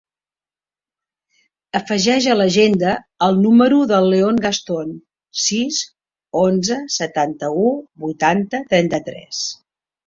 Afegeix a l'agenda el número del León Gaston: sis, onze, setanta-u, vuitanta, trenta-tres.